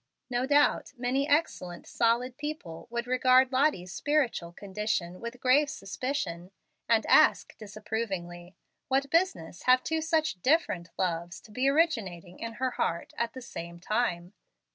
No doubt many excellent, solid people would regard Lottie's spiritual condition with grave suspicion, and ask, disapprovingly, "What business have two such DIFFERENT loves to be originating in her heart at the same time?"